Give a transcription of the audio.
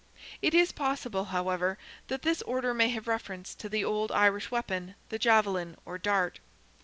It is possible, however, that this order may have reference to the old Irish weapon, the javelin or dart.